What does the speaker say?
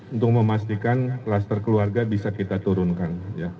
untuk memastikan klaster keluarga bisa kita turunkan